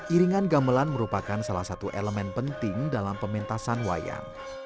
iringan gamelan merupakan salah satu elemen penting dalam pementasan wayang